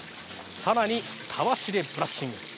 さらに、たわしでブラッシング。